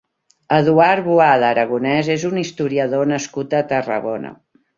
Eduard Boada Aragonès és un historiador nascut a Tarragona.